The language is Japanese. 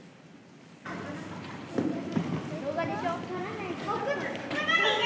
動画でしょ？